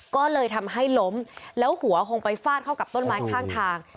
ก็เลยทำให้ล้มแล้วหัวคงไปฟาดเข้ากับต้นไม้ข้างทาง